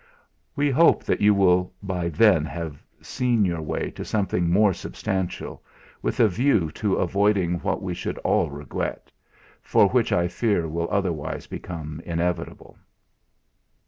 "We hope that you will by then have seen your way to something more substantial, with a view to avoiding what we should all regret, but which I fear will otherwise become inevitable."